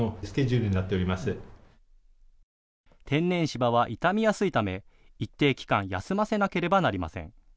天然芝は傷みやすいため一定期間、休ませなければなりません。